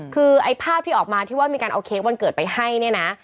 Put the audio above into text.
คือไอ้ภาพที่ออกมาที่ว่ามีการเอาเค้กวันเกิดไปให้เนี่ยนะ